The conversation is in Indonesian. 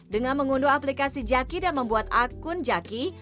dengan mengunduh aplikasi jaki dan membuat akun jaki